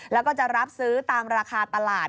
แล้วก็จะรับซื้อตามราคาตลาด